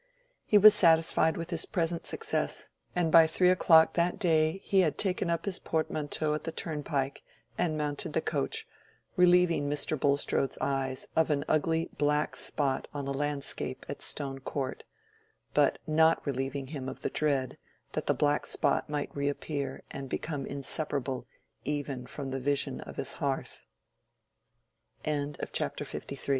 He was satisfied with his present success, and by three o'clock that day he had taken up his portmanteau at the turnpike and mounted the coach, relieving Mr. Bulstrode's eyes of an ugly black spot on the landscape at Stone Court, but not relieving him of the dread that the black spot might reappear and become inseparable even from the vision of his hearth. BOOK VI. THE WIDOW AND THE WIFE. CHAPTER LIV. "Negli occhi